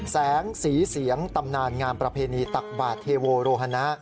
แสงสีเสียงตำนานงามประเพณีตักบาทเทโวโรฮนะ